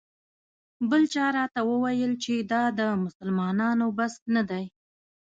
بل چا راته وویل چې دا د مسلمانانو بس نه دی.